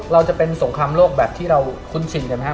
เราจะเป็นสงครามโลกแบบที่เราคุ้นชินกันไหมครับ